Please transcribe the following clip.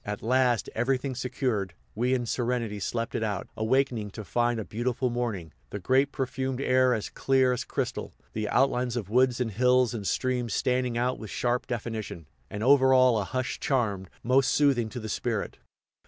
At last, everything secured, we in serenity slept it out, awakening to find a beautiful morning, the grape perfumed air as clear as crystal, the outlines of woods and hills and streams standing out with sharp definition, and over all a hushed charm most soothing to the spirit.